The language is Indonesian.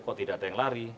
kalau tidak ada yang lari